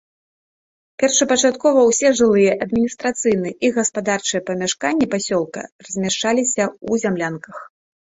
Першапачаткова ўсе жылыя, адміністрацыйныя і гаспадарчыя памяшканні пасёлка размяшчаліся ў зямлянках.